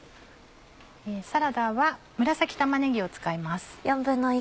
サラダは紫玉ねぎを使います。